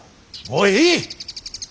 もういい！